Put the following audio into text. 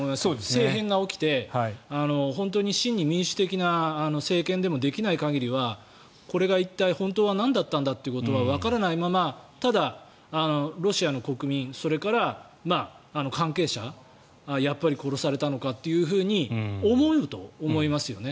政変が起きて本当に真に民主的な政権でもできない限りはこれが一体、本当はなんだったのかということがわからないままただ、ロシアの国民それから関係者やっぱり殺されたのかというふうに思うと思いますよね。